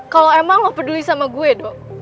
kalau emang lo peduli sama gue do